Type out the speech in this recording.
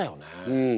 うん。